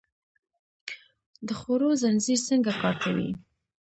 د خوړو زنځیر څنګه کار کوي؟